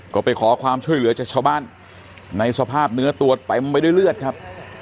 ก็ไปขอความช่วยเหลือจากชาวบ้านในสภาพเนื้อตัวเต็มไปด้วยเลือดครับ